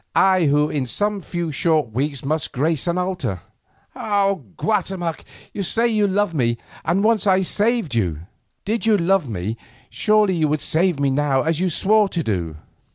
I who in some few short weeks must grace an altar? Ah! Guatemoc, you say you love me, and once I saved you. Did you love me, surely you would save me now as you swore to do."